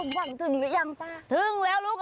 ไม่ต้องเขย่าเลยลูก